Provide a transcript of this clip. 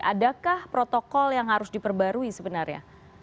adakah protokol yang harus diperbarui sebenarnya